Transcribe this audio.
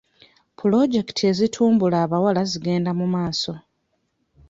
Pulojekiti ezitumbula abawala zigenda mu maaso.